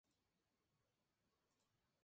Guarda relación con la pragmática.